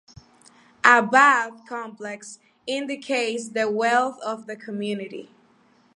A bath complex indicates the wealth of the community.